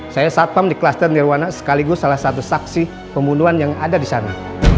saya satpam di klaster nirwana sekaligus salah satu saksi pembunuhan yang ada di sana